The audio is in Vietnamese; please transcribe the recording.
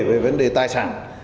về vấn đề tài sản